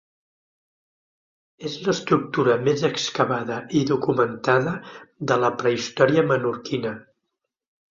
És l’estructura més excavada i documentada de la prehistòria menorquina.